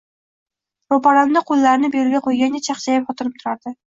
Ro'paramda qo'llarini beliga qo'ygancha chaqchayib xotinim turardi